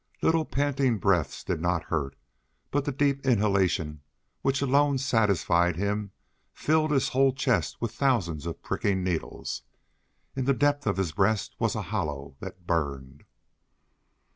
Little panting breaths did not hurt; but the deep inhalation, which alone satisfied him filled his whole chest with thousands of pricking needles. In the depth of his breast was a hollow that burned.